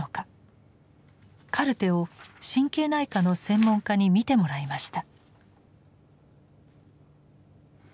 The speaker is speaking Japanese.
カルテを神経内科の専門家に見てもらいました。